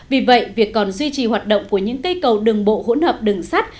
vì vậy việc còn duy trì hoạt động của những cây cầu đường bộ hỗn hợp đường sắt